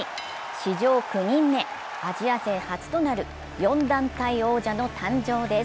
史上９人目アジア勢初となる４団体王者の誕生です。